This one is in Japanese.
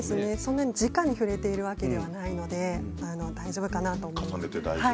じかに触れているわけではないので大丈夫かなと思います。